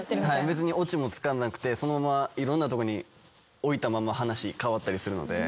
別にオチもつかなくてそのままいろんなところに置いたまま話変わったりするので。